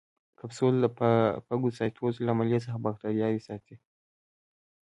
کپسول د فاګوسایټوسس له عملیې څخه باکتریاوې ساتي.